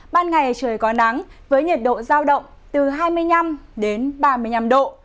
ban ngày trời có nắng với nhiệt độ giao động từ hai mươi năm đến ba mươi năm độ